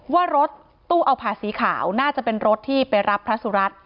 ว่ารถตู้เอาผ่าสีขาวน่าจะเป็นรถที่ไปรับพระสุรัตน์